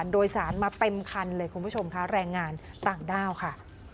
โดยสารมาเต็มคันเลยคุณผู้ชมค่ะแรงงานต่างด้าวค่ะ